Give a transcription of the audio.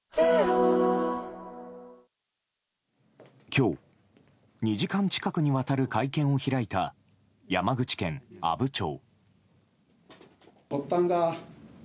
今日、２時間近くにわたる会見を開いた山口県阿武町。